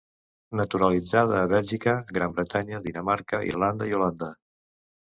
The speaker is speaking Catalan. Naturalitzada a Bèlgica, Gran Bretanya, Dinamarca, Irlanda i Holanda.